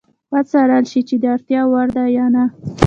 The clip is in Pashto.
وڅارل شي چې د اړتیا وړ ده یا نه.